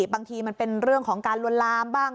บางทีมันเป็นเรื่องของการลวนลามบ้าง